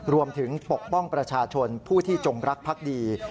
รวมถึงปกป้องประชาชนผู้ที่จงรักพรรคดี